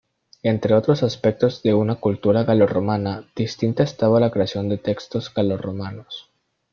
Entre otros aspectos de una cultura galo-romana distinta estaba la creación de textos galo-romanos.